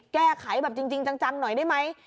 แก้ไขแบบจริงจังหน่อยได้ไหม